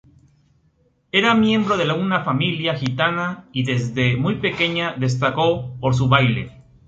Era miembro de una familia gitana y desde muy pequeña destacó por su baile.